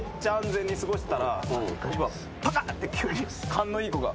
勘のいい子が。